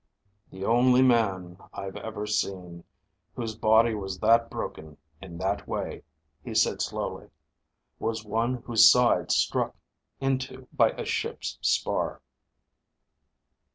"The only man I've ever seen whose body was that broken in that way," he said slowly, "was one whose side struck into by a ship's spar."